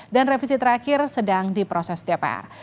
dan revisi terakhir sedang di proses dpr